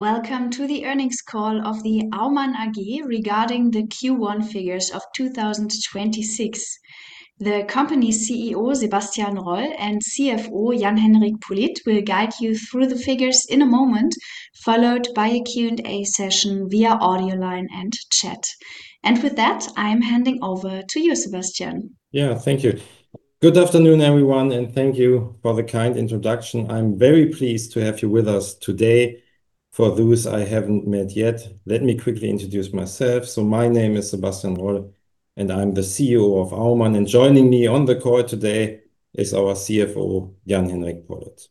Welcome to the earnings call of the Aumann AG regarding the Q1 figures of 2026. The company CEO, Sebastian Roll, and CFO, Jan-Henrik Pollitt, will guide you through the figures in a moment, followed by a Q&A session via audio line and chat. With that, I'm handing over to you, Sebastian. Yeah, thank you. Good afternoon, everyone, and thank you for the kind introduction. I'm very pleased to have you with us today. For those I haven't met yet, let me quickly introduce myself. My name is Sebastian Roll, and I'm the CEO of Aumann. Joining me on the call today is our CFO, Jan-Henrik Pollitt.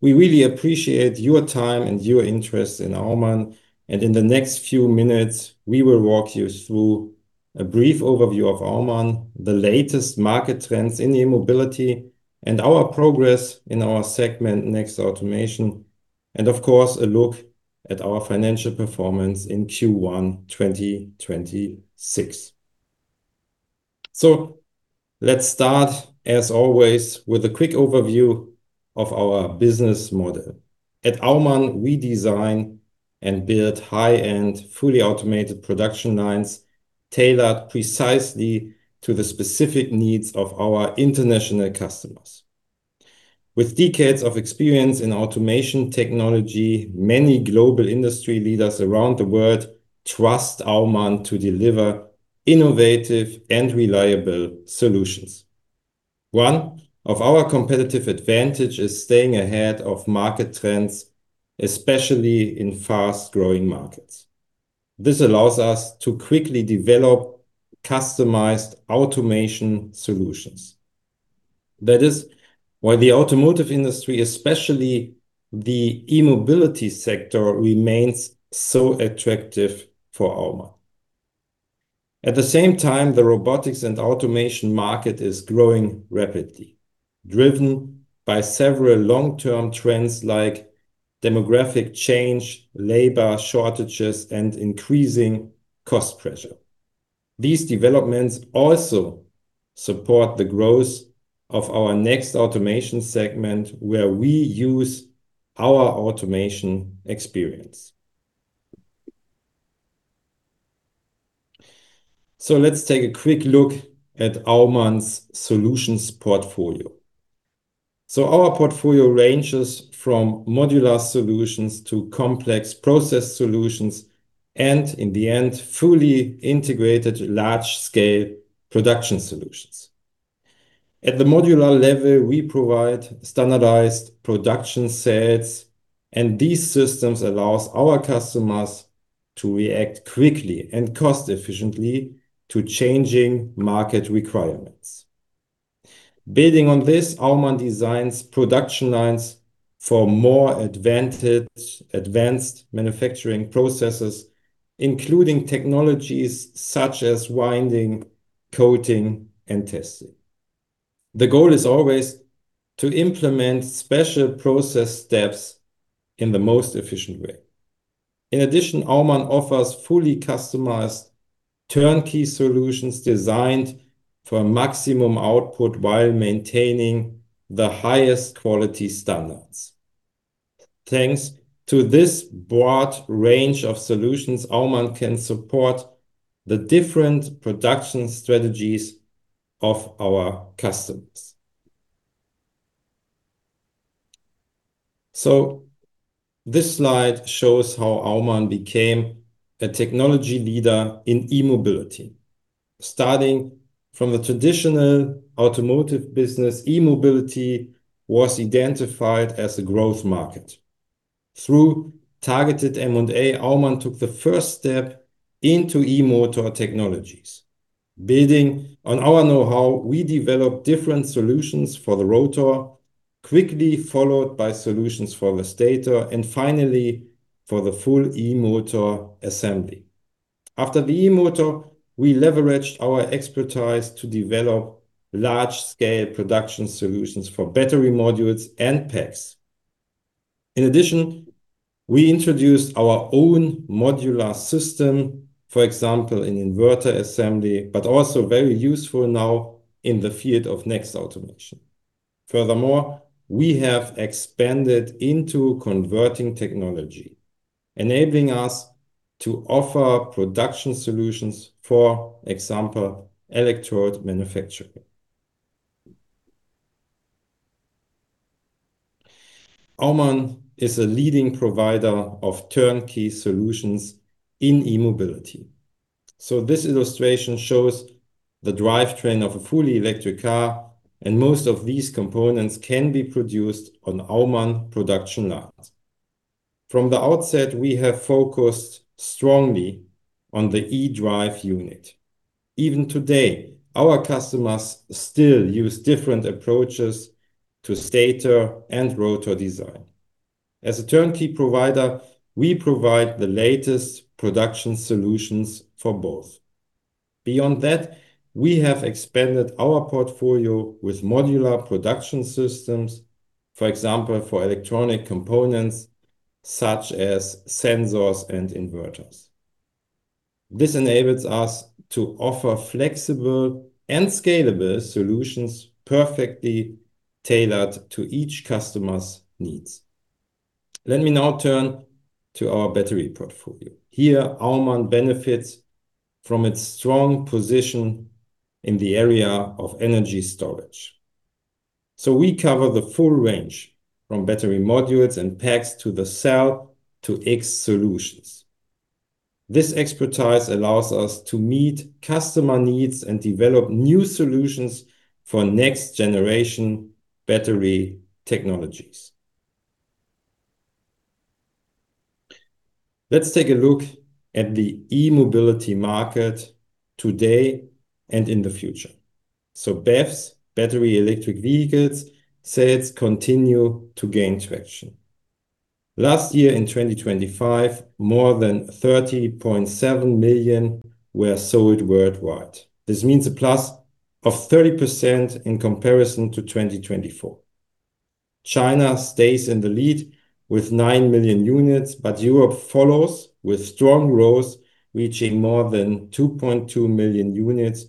We really appreciate your time and your interest in Aumann, and in the next few minutes, we will walk you through a brief overview of Aumann, the latest market trends in e-mobility, and our progress in our segment Next Automation, and of course, a look at our financial performance in Q1 2026. Let's start, as always, with a quick overview of our business model. At Aumann, we design and build high-end, fully automated production lines tailored precisely to the specific needs of our international customers. With decades of experience in automation technology, many global industry leaders around the world trust Aumann to deliver innovative and reliable solutions. One of our competitive advantage is staying ahead of market trends, especially in fast-growing markets. This allows us to quickly develop customized automation solutions. That is why the Automotive industry, especially the e-mobility sector, remains so attractive for Aumann. At the same time, the robotics and automation market is growing rapidly, driven by several long-term trends like demographic change, labor shortages, and increasing cost pressure. These developments also support the growth of our Next Automation segment, where we use our automation experience. Let's take a quick look at Aumann's solutions portfolio. Our portfolio ranges from modular solutions to complex process solutions and, in the end, fully integrated large-scale production solutions. At the modular level, we provide standardized production sets, and these systems allows our customers to react quickly and cost efficiently to changing market requirements. Building on this, Aumann designs production lines for more advanced manufacturing processes, including technologies such as winding, coating, and testing. The goal is always to implement special process steps in the most efficient way. In addition, Aumann offers fully customized turnkey solutions designed for maximum output while maintaining the highest quality standards. Thanks to this broad range of solutions, Aumann can support the different production strategies of our customers. This slide shows how Aumann became a technology leader in e-mobility. Starting from the traditional automotive business, e-mobility was identified as a growth market. Through targeted M&A, Aumann took the first step into e-motor technologies. Building on our know-how, we developed different solutions for the rotor, quickly followed by solutions for the stator, and finally, for the full e-motor assembly. After the e-motor, we leveraged our expertise to develop large-scale production solutions for battery modules and packs. In addition, we introduced our own modular system, for example, in inverter assembly, but also very useful now in the field of Next Automation. Furthermore, we have expanded into converting technology, enabling us to offer production solutions, for example, electrode manufacturing. Aumann is a leading provider of turnkey solutions in e-mobility. This illustration shows the drivetrain of a fully electric car, and most of these components can be produced on Aumann production lines. From the outset, we have focused strongly on the e-drive unit. Even today, our customers still use different approaches to stator and rotor design. As a turnkey provider, we provide the latest production solutions for both. We have expanded our portfolio with modular production systems, for example, for electronic components such as sensors and inverters. This enables us to offer flexible and scalable solutions perfectly tailored to each customer's needs. Let me now turn to our battery portfolio. Here, Aumann benefits from its strong position in the area of energy storage. We cover the full range, from battery modules and packs to the Cell-to-X solutions. This expertise allows us to meet customer needs and develop new solutions for next generation battery technologies. Let's take a look at the e-mobility market today and in the future. BEVs, battery electric vehicles, sales continue to gain traction. Last year in 2025, more than 30.7 million were sold worldwide. This means a plus of 30% in comparison to 2024. China stays in the lead with 9 million units, Europe follows with strong growth, reaching more than 2.2 million units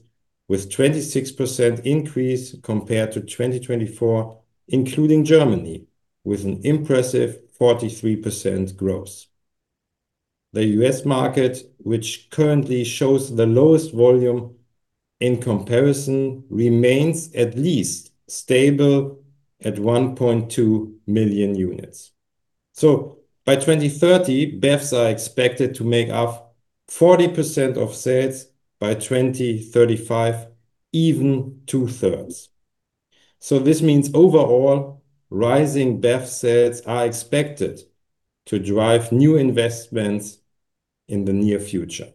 with 26% increase compared to 2024, including Germany, with an impressive 43% growth. The U.S. market, which currently shows the lowest volume in comparison, remains at least stable at 1.2 million units. By 2030, BEVs are expected to make up 40% of sales, by 2035, even two thirds. This means overall, rising BEV sales are expected to drive new investments in the near future.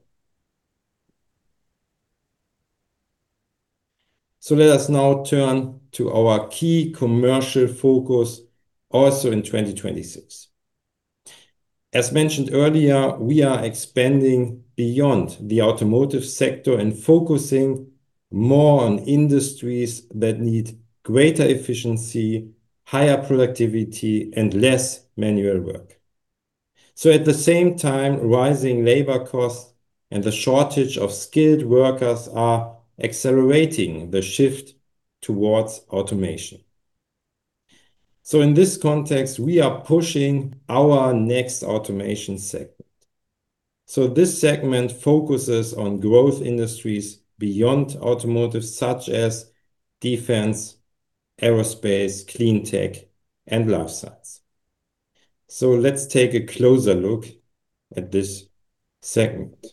Let us now turn to our key commercial focus also in 2026. As mentioned earlier, we are expanding beyond the automotive sector and focusing more on industries that need greater efficiency, higher productivity, and less manual work. At the same time, rising labor costs and the shortage of skilled workers are accelerating the shift towards automation. In this context, we are pushing our Next Automation segment. This segment focuses on growth industries beyond automotive, such as defense, aerospace, clean tech, and life science. Let's take a closer look at this segment.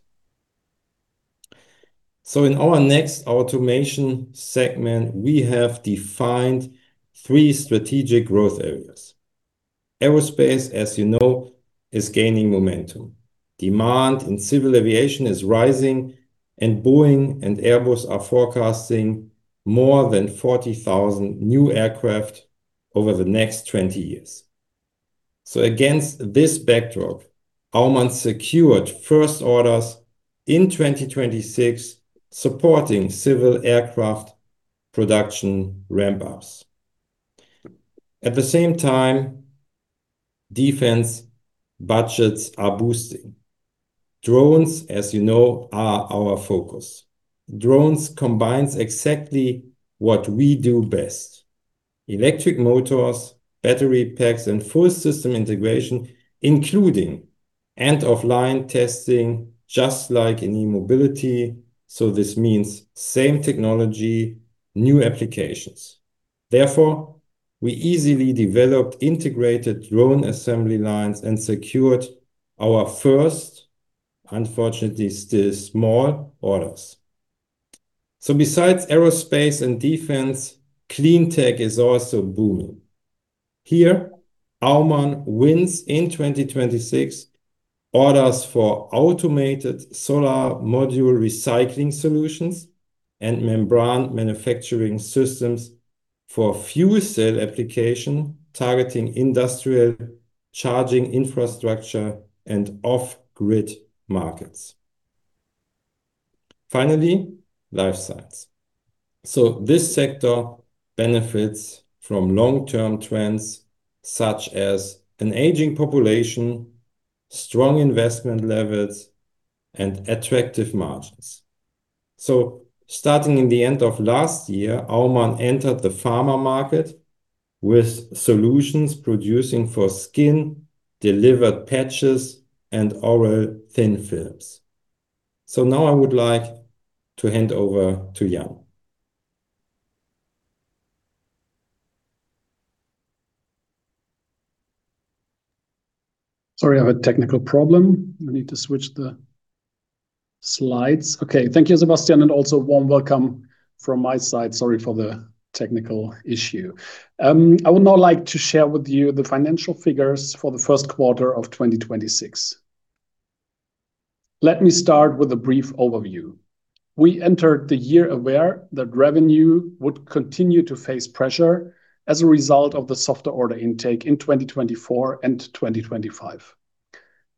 In our Next Automation segment, we have defined three strategic growth areas. Aerospace, as you know, is gaining momentum. Demand in civil aviation is rising, and Boeing and Airbus are forecasting more than 40,000 new aircraft over the next 20 years. Against this backdrop, Aumann secured first orders in 2026 supporting civil aircraft production ramp-ups. At the same time, defense budgets are boosting. Drones, as you know, are our focus. Drones combines exactly what we do best, electric motors, battery packs, and full system integration, including end-of-line testing, just like in e-mobility. This means same technology, new applications. Therefore, we easily developed integrated drone assembly lines and secured our first, unfortunately still small, orders. Besides aerospace and defense, clean tech is also booming. Here, Aumann wins in 2026 orders for automated solar module recycling solutions and membrane manufacturing systems for fuel cell application, targeting industrial charging infrastructure and off-grid markets. Finally, Life Science. This sector benefits from long-term trends, such as an aging population, strong investment levels, and attractive margins. Starting in the end of last year, Aumann entered the pharma market with solutions producing for skin-delivered patches and oral thin films. Now I would like to hand over to Jan. Sorry, I have a technical problem. I need to switch the slides. Okay. Thank you, Sebastian, also warm welcome from my side. Sorry for the technical issue. I would now like to share with you the financial figures for the first quarter of 2026. Let me start with a brief overview. We entered the year aware that revenue would continue to face pressure as a result of the softer order intake in 2024 and 2025.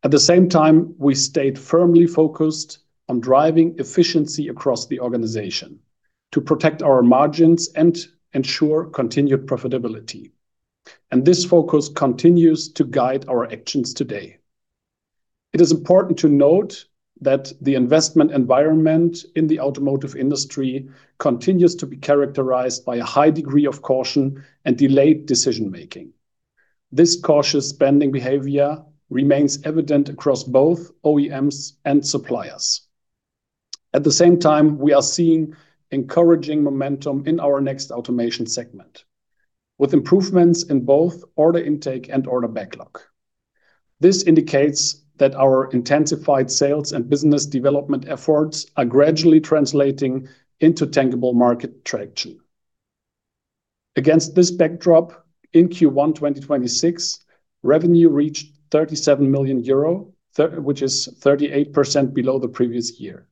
At the same time, we stayed firmly focused on driving efficiency across the organization to protect our margins and ensure continued profitability. This focus continues to guide our actions today. It is important to note that the investment environment in the automotive industry continues to be characterized by a high degree of caution and delayed decision-making. This cautious spending behavior remains evident across both OEMs and suppliers. At the same time, we are seeing encouraging momentum in our Next Automation segment, with improvements in both order intake and order backlog. This indicates that our intensified sales and business development efforts are gradually translating into tangible market traction. Against this backdrop, in Q1 2026, revenue reached 37 million euro, which is 38% below the previous year.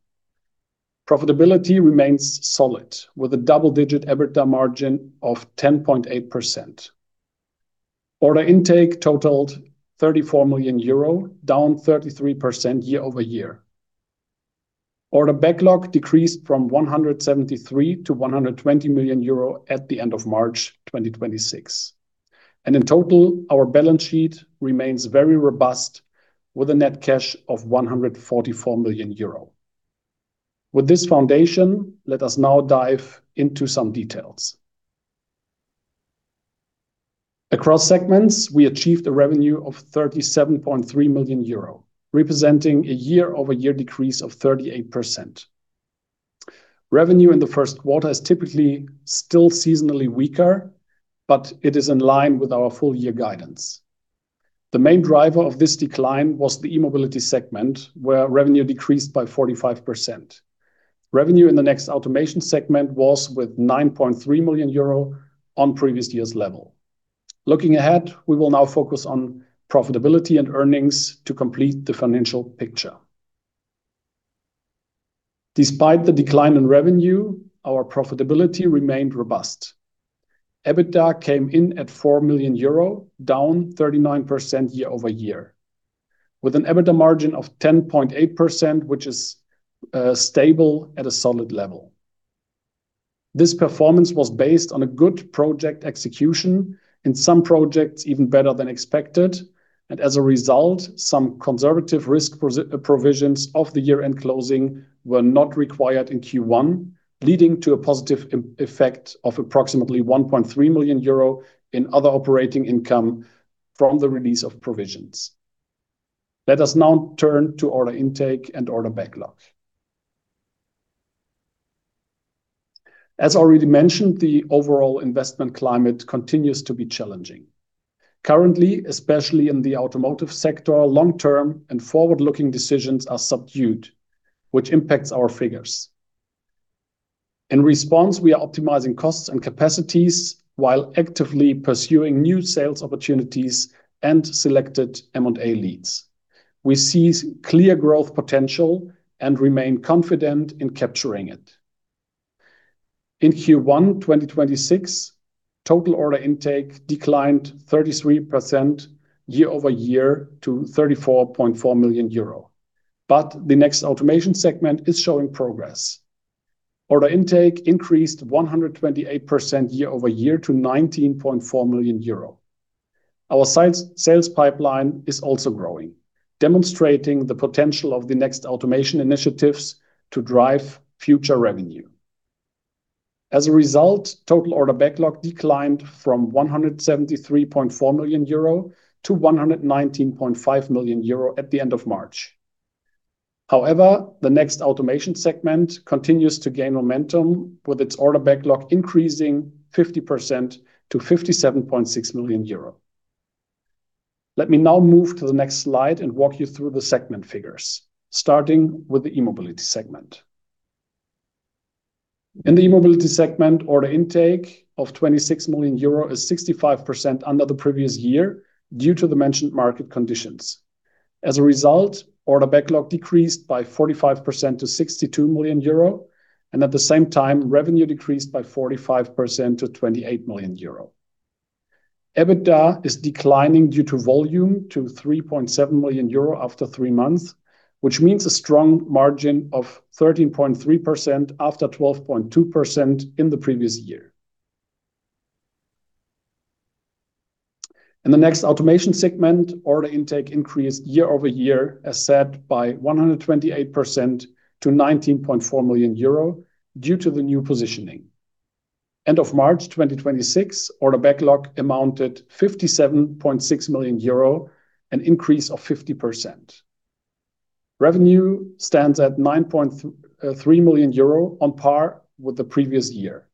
Profitability remains solid, with a double-digit EBITDA margin of 10.8%. Order intake totaled 34 million euro, down 33% year-over-year. Order backlog decreased from 173 million-120 million euro at the end of March 2026. In total, our balance sheet remains very robust, with a net cash of 144 million euro. With this foundation, let us now dive into some details. Across segments, we achieved a revenue of 37.3 million euro, representing a year-over-year decrease of 38%. Revenue in the first quarter is typically still seasonally weaker, but it is in line with our full-year guidance. The main driver of this decline was the E-mobility segment, where revenue decreased by 45%. Revenue in the Next Automation segment was, with 9.3 million euro, on previous year's level. Looking ahead, we will now focus on profitability and earnings to complete the financial picture. Despite the decline in revenue, our profitability remained robust. EBITDA came in at 4 million euro, down 39% year-over-year, with an EBITDA margin of 10.8%, which is stable at a solid level. This performance was based on a good project execution. In some projects, even better than expected. As a result, some conservative risk provisions of the year-end closing were not required in Q1, leading to a positive effect of approximately 1.3 million euro in other operating income from the release of provisions. Let us now turn to order intake and order backlog. As already mentioned, the overall investment climate continues to be challenging. Currently, especially in the automotive sector, long-term and forward-looking decisions are subdued, which impacts our figures. In response, we are optimizing costs and capacities while actively pursuing new sales opportunities and selected M&A leads. We see clear growth potential and remain confident in capturing it. In Q1 2026, total order intake declined 33% year-over-year to 34.4 million euro. The Next Automation segment is showing progress. Order intake increased 128% year-over-year to 19.4 million euro. Our sales pipeline is also growing, demonstrating the potential of the Next Automation initiatives to drive future revenue. Total order backlog declined from 173.4 million-119.5 million euro at the end of March. The Next Automation segment continues to gain momentum, with its order backlog increasing 50% to 57.6 million euro. Let me now move to the next slide and walk you through the segment figures, starting with the E-mobility segment. In the E-mobility segment, order intake of 26 million euro is 65% under the previous year due to the mentioned market conditions. As a result, order backlog decreased by 45% to 62 million euro, and at the same time, revenue decreased by 45% to 28 million euro. EBITDA is declining due to volume to 3.7 million euro after three months, which means a strong margin of 13.3% after 12.2% in the previous year. In the Next Automation segment, order intake increased year-over-year, as said, by 128% to 19.4 million euro due to the new positioning. End of March 2026, order backlog amounted 57.6 million euro, an increase of 50%. Revenue stands at 9.3 million euro, on par with the previous year.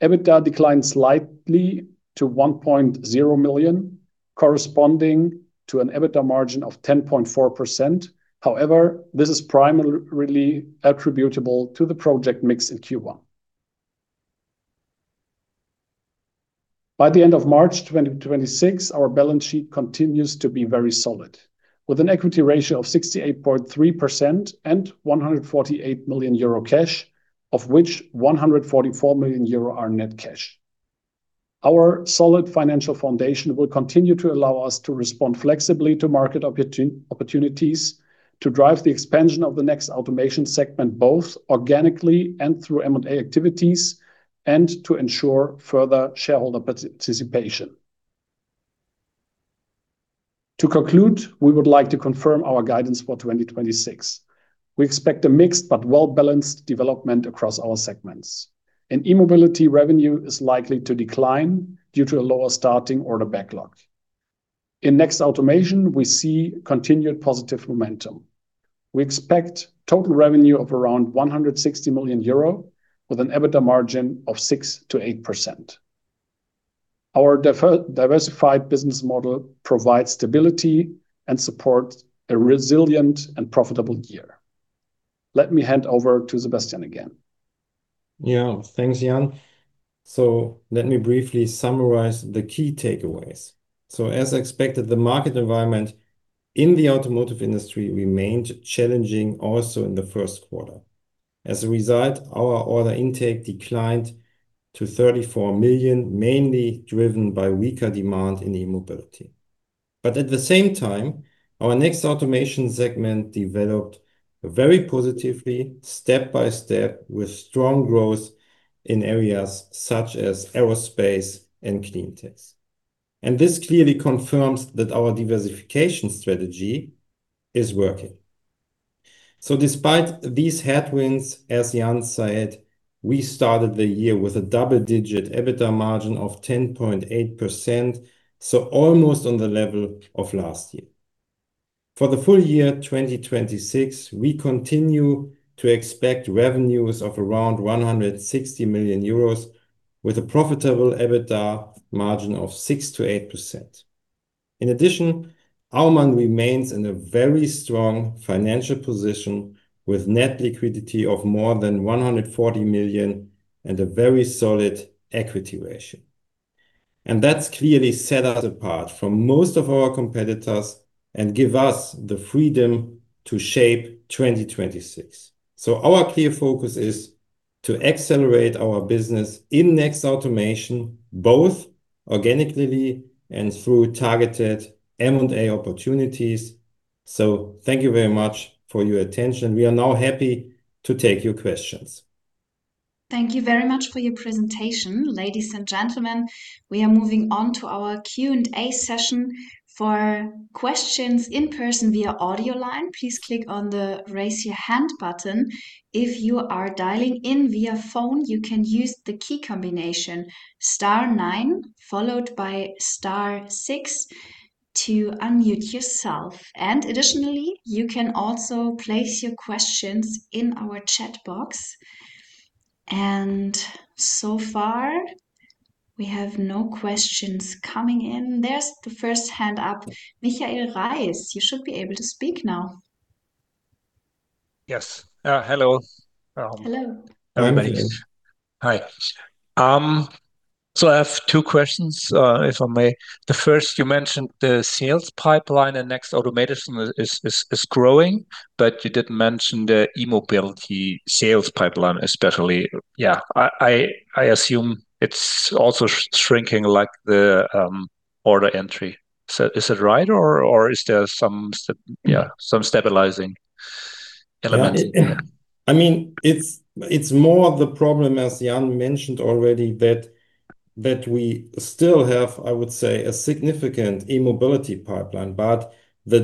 EBITDA declined slightly to 1.0 million, corresponding to an EBITDA margin of 10.4%. However, this is primarily attributable to the project mix in Q1. By the end of March 2026, our balance sheet continues to be very solid, with an equity ratio of 68.3% and 148 million euro cash, of which 144 million euro are net cash. Our solid financial foundation will continue to allow us to respond flexibly to market opportunities, to drive the expansion of the Next Automation segment, both organically and through M&A activities, and to ensure further shareholder participation. To conclude, we would like to confirm our guidance for 2026. We expect a mixed but well-balanced development across our segments. E-mobility revenue is likely to decline due to a lower starting order backlog. In Next Automation, we see continued positive momentum. We expect total revenue of around 160 million euro, with an EBITDA margin of 6%-8%. Our diversified business model provides stability and support a resilient and profitable year. Let me hand over to Sebastian again. Yeah. Thanks, Jan. Let me briefly summarize the key takeaways. As expected, the market environment in the automotive industry remained challenging also in the first quarter. As a result, our order intake declined to 34 million, mainly driven by weaker demand in e-mobility. At the same time, our Next Automation segment developed very positively, step by step, with strong growth in areas such as aerospace and clean tech. This clearly confirms that our diversification strategy is working. Despite these headwinds, as Jan said, we started the year with a double-digit EBITDA margin of 10.8%, almost on the level of last year. For the full-year, 2026, we continue to expect revenues of around 160 million euros, with a profitable EBITDA margin of 6%-8%. In addition, Aumann remains in a very strong financial position, with net liquidity of more than 140 million and a very solid equity ratio. That's clearly set us apart from most of our competitors and give us the freedom to shape 2026. Our clear focus is to accelerate our business in Next Automation, both organically and through targeted M&A opportunities. Thank you very much for your attention. We are now happy to take your questions. Thank you very much for your presentation. Ladies and gentlemen, we are moving on to our Q&A session. For questions in person via audio line, please click on the Raise Your Hand button. If you are dialing in via phone, you can use the key combination star nine followed by star six to unmute yourself, additionally, you can also place your questions in our chat box. So far, we have no questions coming in. There's the first hand up. Michael Rice, you should be able to speak now. Yes. Hello. Hello. Hi, Mike. Hi, Michael. I have two questions, if I may. The first, you mentioned the sales pipeline and Next Automation is growing, but you didn't mention the E-mobility sales pipeline, especially. I assume it's also shrinking like the order entry. Is it right, or is there some stabilizing elements? I mean, it's more the problem, as Jan mentioned already, that we still have, I would say, a significant E-mobility pipeline, the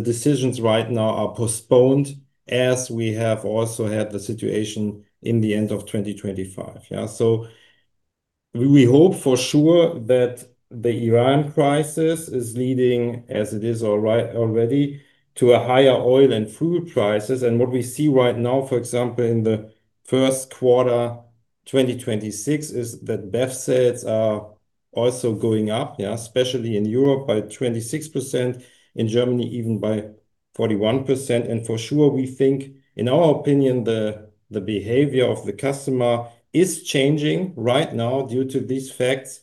decisions right now are postponed, as we have also had the situation in the end of 2025. We hope for sure that the Iran crisis is leading, as it is already, to a higher oil and food prices. What we see right now, for example, in the first quarter 2026, is that BEV sales are also going up. Especially in Europe by 26%, in Germany even by 41%. For sure, we think, in our opinion, the behavior of the customer is changing right now due to these facts,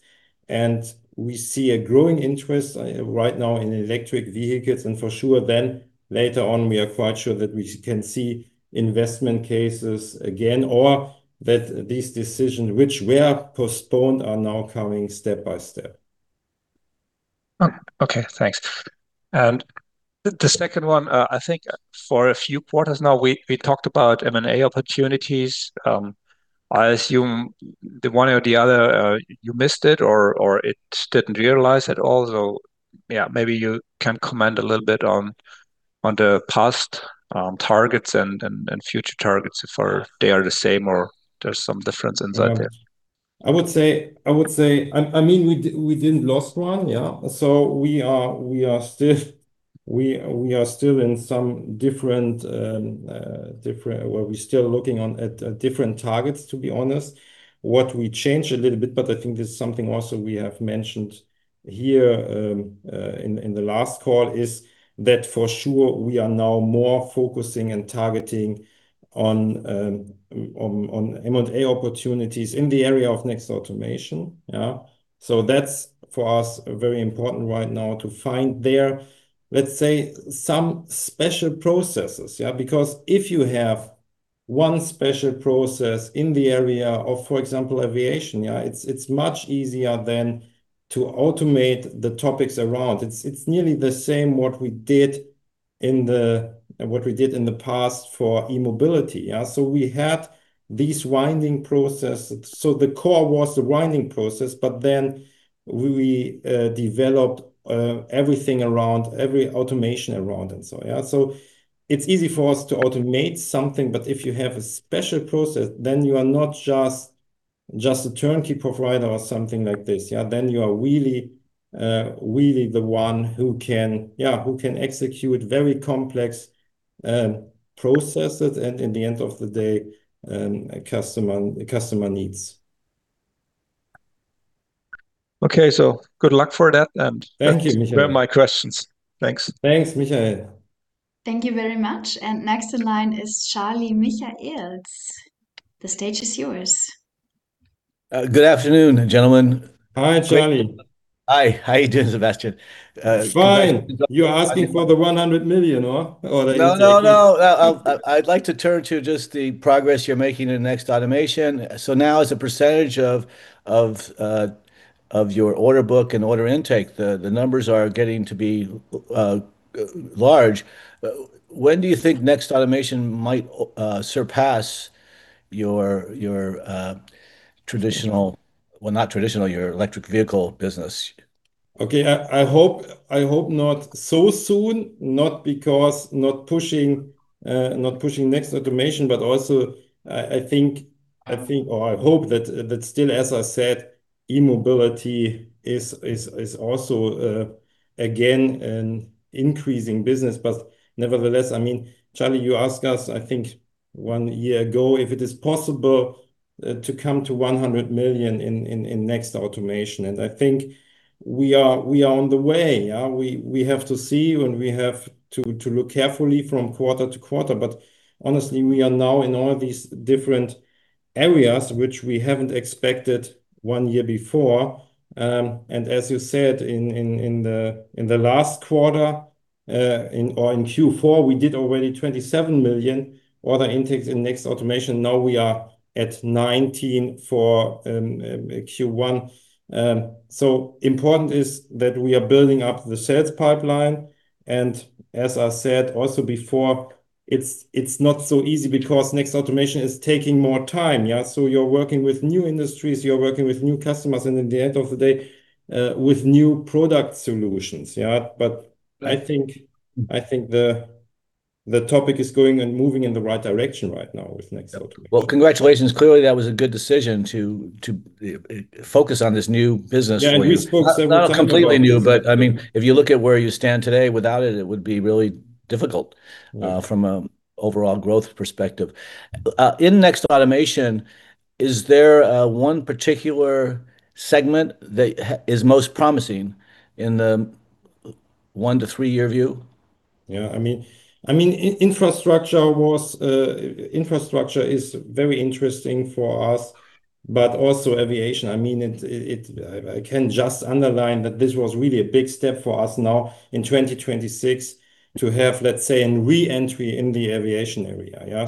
and we see a growing interest right now in electric vehicles. For sure, later on, we are quite sure that we can see investment cases again or that these decisions which were postponed are now coming step by step. Oh, okay. Thanks. The second one, I think for a few quarters now, we talked about M&A opportunities. I assume the one or the other, you missed it, or it didn't realize at all. Yeah, maybe you can comment a little bit on the past targets and future targets, if they are the same or there's some difference inside there. I mean, we didn't lost one, yeah? We are still looking at different targets, to be honest. What we changed a little bit, I think this is something also we have mentioned here in the last call, is that for sure we are now more focusing and targeting on M&A opportunities in the area of Next Automation, yeah? That's for us very important right now to find there, let's say, some special processes, yeah? If you have one special process in the area of, for example, aviation, yeah, it's much easier to automate the topics around. It's nearly the same what we did in the past for E-mobility, yeah. We had these winding process. The core was the winding process, we developed everything around, every automation around, yeah. It's easy for us to automate something, if you have a special process, you are not just a turnkey provider or something like this, yeah. You are really the one who can, yeah, who can execute very complex processes and in the end of the day, the customer needs. Okay, good luck for that. Those were my questions. Thanks. Thanks, Michael. Thank you very much. Next in line is Charlie Michaelis. The stage is yours. Good afternoon, gentlemen. Hi, Charlie. Hi. How are you doing, Sebastian? Fine. You're asking for the 100 million, no? Or the intake, yeah. No, no. I'd like to turn to just the progress you're making in Next Automation. Now as a percentage of your order book and order intake, the numbers are getting to be large. When do you think Next Automation might surpass your traditional, well, not traditional, your Electric Vehicle business? Okay. I hope not so soon, not because not pushing Next Automation, but also, I think or I hope that still, as I said, E-mobility is also again an increasing business. Nevertheless, I mean, Charlie, you asked us, I think one year ago, if it is possible to come to 100 million in Next Automation. I think we are on the way, yeah. We have to see when we have to look carefully from quarter-to-quarter. Honestly, we are now in all these different areas which we haven't expected one year before. As you said, in the last quarter, or in Q4, we did already 27 million order intakes in Next Automation. We are at 19 million for Q1. Important is that we are building up the sales pipeline, and as I said also before, it's not so easy because Next Automation is taking more time. Yeah. You're working with new industries, you're working with new customers, and in the end of the day, with new product solutions. Yeah. I think the topic is going and moving in the right direction right now with Next Automation. Well, congratulations. Clearly, that was a good decision to focus on this new business. Yeah. We spoke several times about this Not completely new, but I mean, if you look at where you stand today, without it would be really difficult. From an overall growth perspective, in Next Automation, is there one particular segment that is most promising in the one to three-year view? I mean, infrastructure is very interesting for us, but also aviation. I mean, I can just underline that this was really a big step for us now in 2026 to have, let's say, a reentry in the aviation area.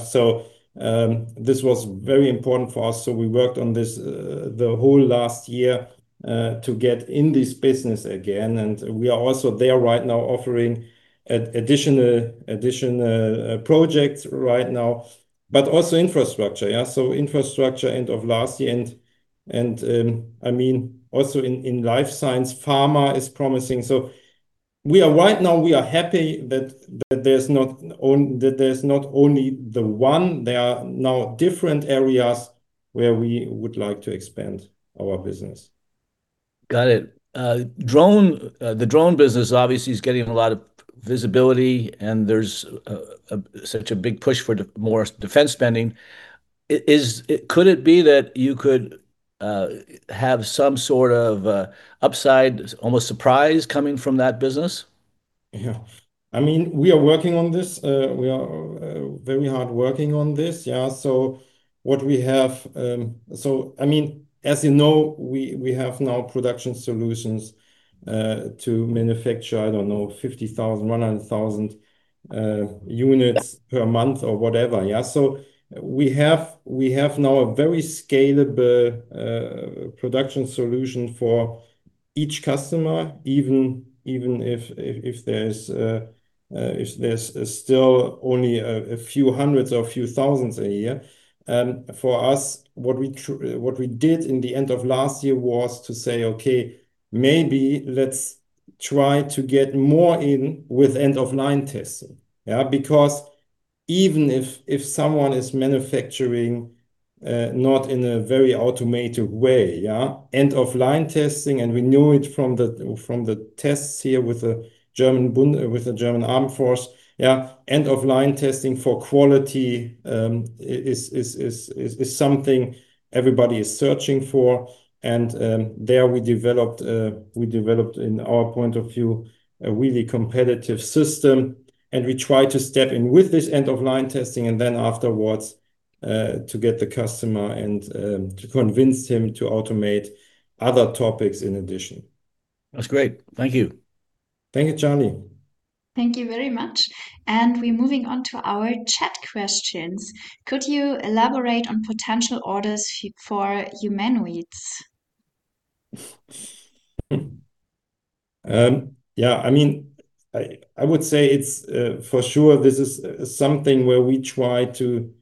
This was very important for us, so we worked on this the whole last year to get in this business again. We are also there right now offering additional projects right now, but also infrastructure. Infrastructure end of last year, I mean, also in life science, pharma is promising. Right now we are happy that there's not only the one, there are now different areas where we would like to expand our business. Got it. Drone, the drone business obviously is getting a lot of visibility, and there's such a big push for more defense spending. Could it be that you could have some sort of upside, almost surprise coming from that business? Yeah. I mean, we are working on this. We are very hard working on this. I mean, as you know, we have now production solutions to manufacture, I don't know, 50,000, 100,000 units per month or whatever. We have now a very scalable production solution for each customer, even if there's still only a few hundreds or a few thousands a year. For us, what we did in the end of last year was to say, okay, maybe let's try to get more in with end-of-line testing. Because even if someone is manufacturing not in a very automated way, end-of-line testing, and we knew it from the tests here with the German Armed Forces. End-of-line testing for quality is something everybody is searching for. There we developed, in our point of view, a really competitive system. We try to step in with this end-of-line testing, and then afterwards, to get the customer and, to convince him to automate other topics in addition. That's great. Thank you. Thank you, Charlie. Thank you very much. We're moving on to our chat questions. Could you elaborate on potential orders for humanoids? Yeah, I mean, I would say it's for sure this is something where we try to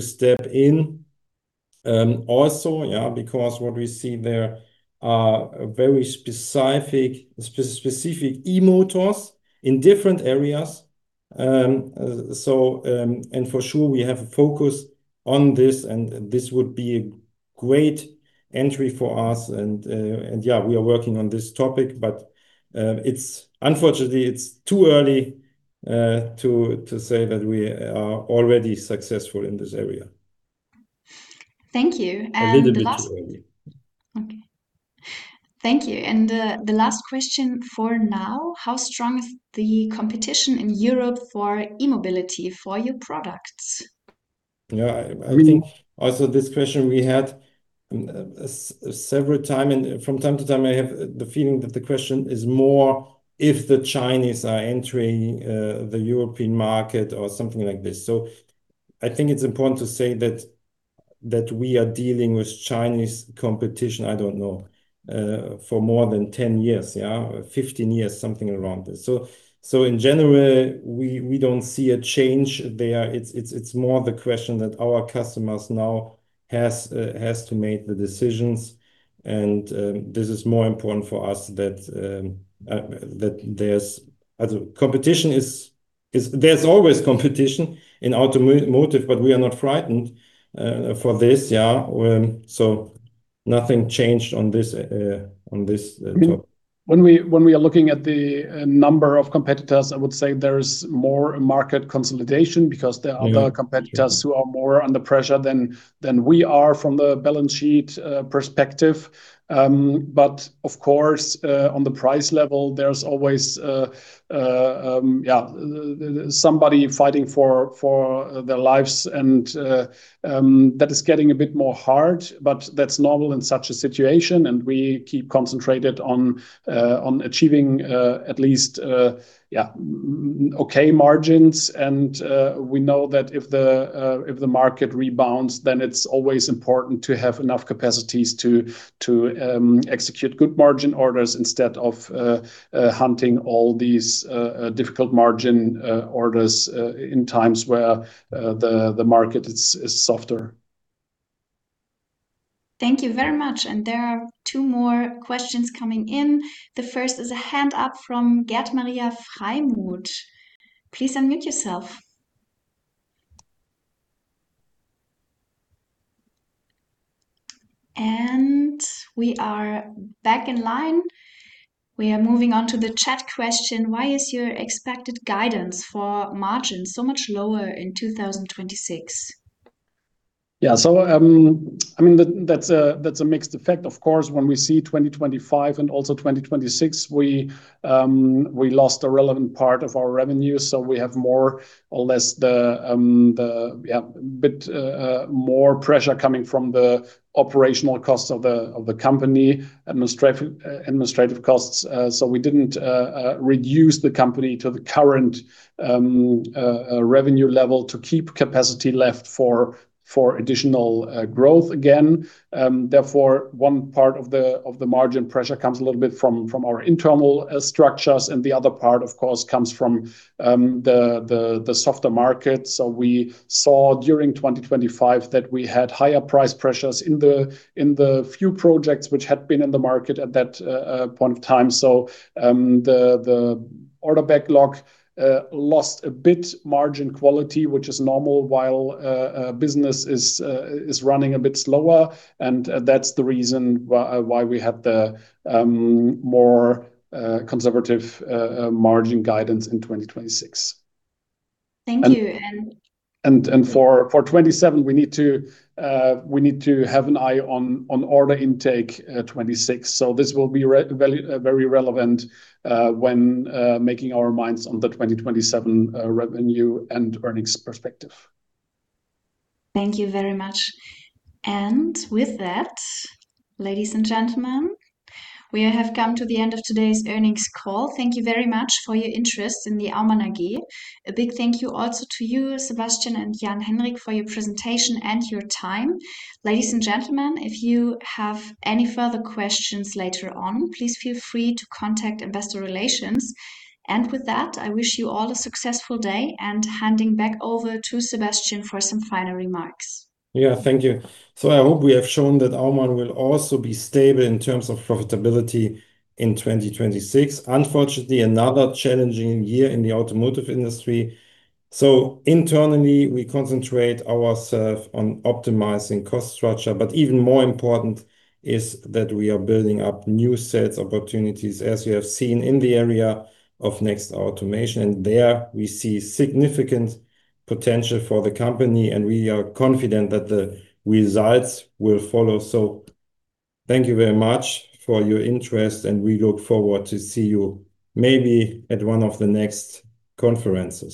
step in. Also, yeah, because what we see there are very specific e-motors in different areas. For sure we have a focus on this and this would be a great entry for us and yeah, we are working on this topic. It's, unfortunately, it's too early to say that we are already successful in this area. Thank you. A little bit too early. Okay. Thank you. The last question for now: how strong is the competition in Europe for E-mobility for your products? Yeah. I think also this question we had several time and from time to time I have the feeling that the question is more if the Chinese are entering the European market or something like this. I think it's important to say that we are dealing with Chinese competition, I don't know, for more than 10 years, 15 years, something around this. In general, we don't see a change there. It's more the question that our customers now has to make the decisions, this is more important for us that there's always competition in automotive, we are not frightened for this. Nothing changed on this on this topic. I mean, when we are looking at the number of competitors, I would say there is more market consolidation because there are competitors who are more under pressure than we are from the balance sheet perspective. Of course, on the price level there's always somebody fighting for their lives and that is getting a bit more hard, but that's normal in such a situation and we keep concentrated on achieving at least okay margins. We know that if the market rebounds, then it's always important to have enough capacities to execute good margin orders instead of hunting all these difficult margin orders in times where the market is softer. Thank you very much. There are two more questions coming in. The first is a hand up from Gert-Maria Freimuth. Please unmute yourself. We are back in line. We are moving on to the chat question: why is your expected guidance for margins so much lower in 2026? I mean, that's a mixed effect. Of course, when we see 2025 and also 2026, we lost a relevant part of our revenue, so we have more or less the more pressure coming from the operational costs of the company, administrative costs. We didn't reduce the company to the current revenue level to keep capacity left for additional growth again. One part of the margin pressure comes a little bit from our internal structures, and the other part, of course, comes from the softer market. We saw during 2025 that we had higher price pressures in the few projects which had been in the market at that point of time. The order backlog lost a bit margin quality, which is normal, while business is running a bit slower. That's the reason why we had the more conservative margin guidance in 2026. Thank you. For 2027, we need to have an eye on order intake 2026. This will be very relevant when making our minds on the 2027 revenue and earnings perspective. Thank you very much. With that, ladies and gentlemen, we have come to the end of today's earnings call. Thank you very much for your interest in Aumann AG. A big thank you also to you, Sebastian and Jan-Henrik Pollitt, for your presentation and your time. Ladies and gentlemen, if you have any further questions later on, please feel free to contact investor relations. With that, I wish you all a successful day. Handing back over to Sebastian for some final remarks. Yeah. Thank you. I hope we have shown that Aumann will also be stable in terms of profitability in 2026. Unfortunately, another challenging year in the automotive industry. Internally, we concentrate ourself on optimizing cost structure, but even more important is that we are building up new sales opportunities, as you have seen in the area of Next Automation. There we see significant potential for the company, and we are confident that the results will follow. Thank you very much for your interest, and we look forward to see you maybe at one of the next conferences.